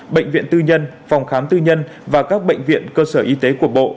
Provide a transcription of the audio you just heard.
bệnh viện tư nhân phòng khám tư nhân và các bệnh viện cơ sở y tế của bộ